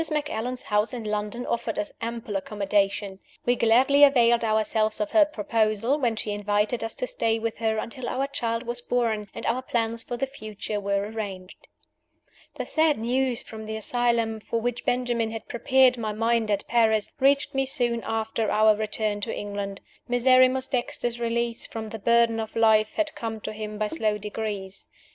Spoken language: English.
Macallan's house in London offered us ample accommodation. We gladly availed ourselves of her proposal, when she invited us to stay with her until our child was born, and our plans for the future were arranged. The sad news from the asylum (for which Benjamin had prepared my mind at Paris) reached me soon after our return to England. Miserrimus Dexter's release from the burden of life had come to him by slow degrees.